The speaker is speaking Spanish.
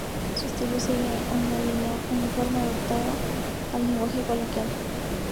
Su estilo sigue una línea uniforme adaptada al lenguaje coloquial.